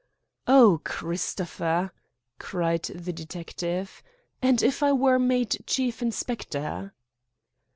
"Oh, Christopher!" cried the detective. "And if I were made Chief Inspector?"